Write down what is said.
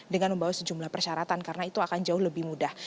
dengan membawa sejumlah persyaratan karena itu akan jauh lebih mudah